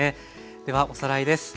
ではおさらいです。